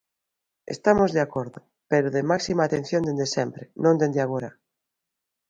Estamos de acordo, pero de máxima atención dende sempre, non dende agora.